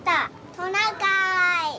トナカーイ。